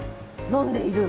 飲んでいる？